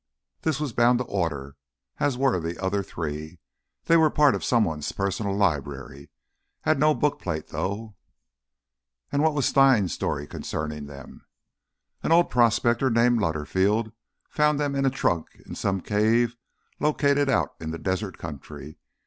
This was bound to order, as were the other three. They were part of someone's personal library—had no bookplate, though." "And what was Stein's story concerning them?" "An old prospector named Lutterfield found them in a trunk in some cave he located out in the desert country.